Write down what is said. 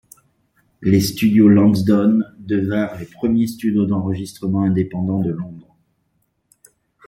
Les studios Lansdowne devinrent les premiers studios d'enregistrements indépendants de Londres.